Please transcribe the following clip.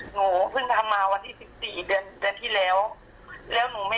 หนูต้องการให้เขาจ่ายค่าเสียหายหนูมา